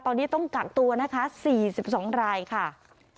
ตอนนี้ต้องกักตัวนะคะ๔๒รายค่ะ